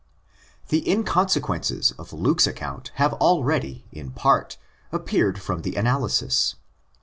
The inconsequences of Luke's account have already: in part appeared from the analysis.